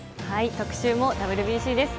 特集もＷＢＣです。